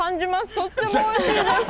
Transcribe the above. とってもおいしいです。